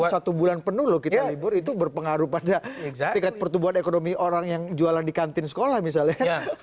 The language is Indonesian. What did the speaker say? satu bulan penuh loh kita libur itu berpengaruh pada tingkat pertumbuhan ekonomi orang yang jualan di kantin sekolah misalnya